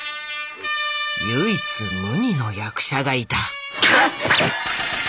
唯一無二の役者がいた。